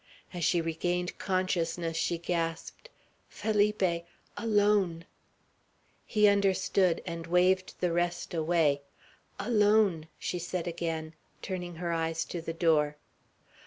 As she regained consciousness, she gasped, "Felipe! Alone!" He understood, and waved the rest away. "Alone!" she said again, turning her eyes to the door.